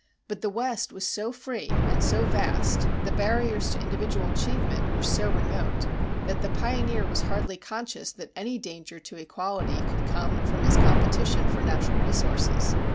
But the West was so free and so vast, the barriers to individual achievement were so remote, that the pioneer was hardly conscious that any danger to equality could come from his competition for natural resources.